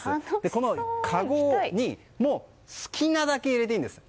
このかごに好きなだけ入れていいんです。